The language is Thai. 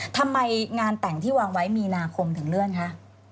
ทำไมงานแต่งที่วางไว้มีนาคมถึงเลื่อนคะ